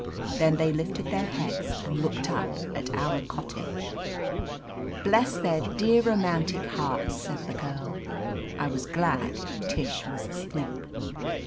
Then they lifted their heads and looked lip at our cottage. "Bless their dear, romantic hearts!" said the girl. I was glad Tish was asleep.